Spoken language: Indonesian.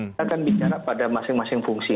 kita akan bicara pada masing masing fungsi